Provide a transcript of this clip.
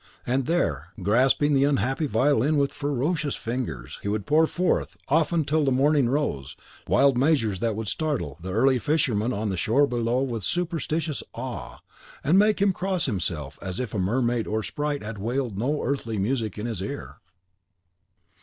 And there, grasping the unhappy violin with ferocious fingers, he would pour forth, often till the morning rose, strange, wild measures that would startle the early fisherman on the shore below with a superstitious awe, and make him cross himself as if mermaid or sprite had wailed no earthly music in his ear.